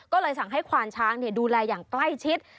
ก็เลยสั่งให้ควานช้างดูแลอย่างใกล้ชิด